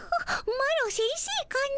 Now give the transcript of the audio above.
マロ先生かの？